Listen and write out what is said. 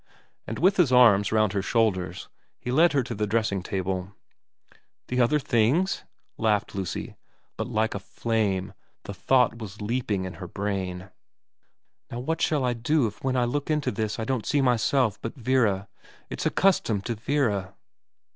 And with his arms round her shoulders he led her to the dressing table. ' The other things ?' laughed Lucy ; but like a flame the thought was leaping in her brain, ' Now what shall I do if when I look into this I don't see myself but Vera ? It's accustomed to Vera.